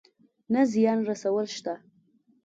نه زيان رسول شته.